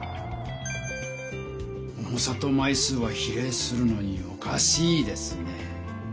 重さと枚数は比例するのにおかしいですね。